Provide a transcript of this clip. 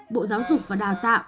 bộ giáo dục và đào tạo